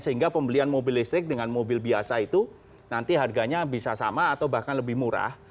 sehingga pembelian mobil listrik dengan mobil biasa itu nanti harganya bisa sama atau bahkan lebih murah